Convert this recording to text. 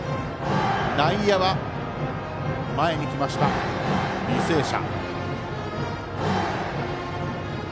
内野は、前に来ました、履正社。